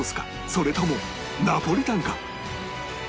それともナポリタンか？